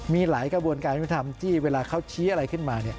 มีหลายกระบวนการยุทธรรมที่เวลาเขาชี้อะไรขึ้นมา